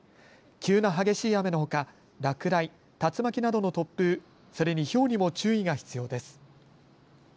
急な激しい雨のほか落雷、竜巻などの突風、それにひょうにも注意が必要です。